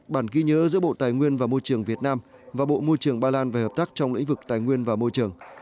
bản ghi nhớ giữa bộ tài nguyên và môi trường việt nam và bộ môi trường ba lan về hợp tác trong lĩnh vực tài nguyên và môi trường